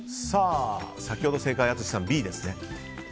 先ほど正解の淳さん、Ｂですね。